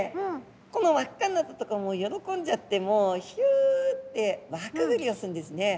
この輪っかになったとこ喜んじゃってもうひゅって輪くぐりをするんですね。